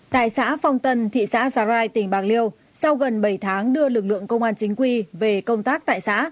tại xã phong tân thị xã giá rai tỉnh bạc liêu sau gần bảy tháng đưa lực lượng công an chính quy về công tác tại xã